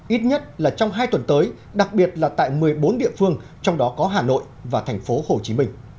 ít nhất là trong hai tuần tới đặc biệt là tại một mươi bốn địa phương trong đó có hà nội và thành phố hồ chí minh